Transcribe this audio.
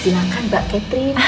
silakan mbak catherine